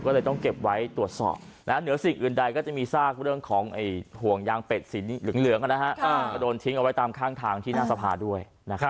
ก็เลยต้องเก็บไว้ตรวจสอบเหนือสิ่งอื่นใดก็จะมีซากเรื่องของห่วงยางเป็ดสีเหลืองก็โดนทิ้งเอาไว้ตามข้างทางที่หน้าสภาด้วย